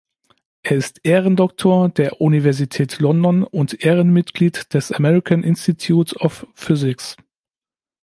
Er ist Ehrendoktor der Universität London und Ehrenmitglied des American Institute of Physics.